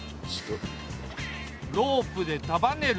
ロープで束ねる。